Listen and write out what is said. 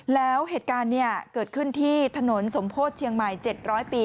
แล้วเหตุการณ์เกิดขึ้นที่ถนนสมโพธิเชียงใหม่๗๐๐ปี